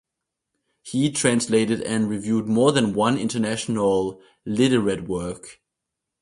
He translated and reviewed more than one international literate work.